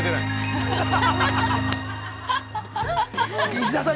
◆石田さん